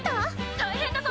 大変だぞ！